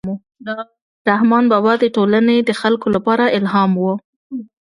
رحمان بابا د ټولنې د خلکو لپاره الهام و.